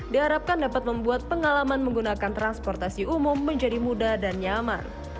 diharapkan dapat membuat pengalaman menggunakan transportasi umum menjadi mudah dan nyaman